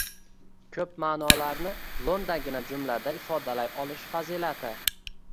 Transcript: ko‘p ma’nolarni lo‘ndagina jumlada ifodalay olish fazilati